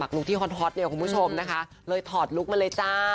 บักลุ๊กที่ฮอทด้วยคุณผู้ชมนะคะเลยถอดลุคมันเลยจ้า